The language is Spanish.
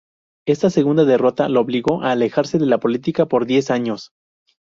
Esta segunda derrota lo obligó a alejarse de la política por diez años.